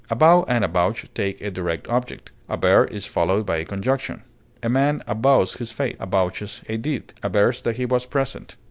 Avow and avouch take a direct object; aver is followed by a conjunction: a man avows his faith, avouches a deed, avers that he was present.